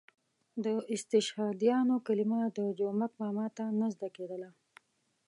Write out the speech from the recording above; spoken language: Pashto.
د استشهادیانو کلمه د جومک ماما ته نه زده کېدله.